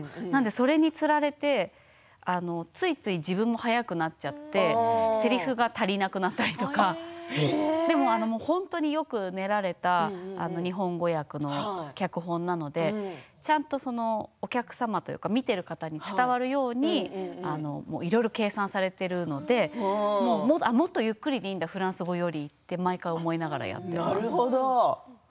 それにつられてついつい自分も速くなっちゃってせりふが足りなくなったりとかでも本当によく練られた日本語訳の脚本なのでちゃんとお客様というか見ている方に伝わるようにいろいろ計算されているのでもっとゆっくりでいいんだフランス語よりと毎回思いながらやっています。